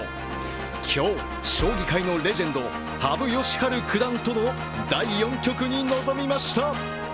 今日、将棋界のレジェンド・羽生善治九段との第４局に臨みました。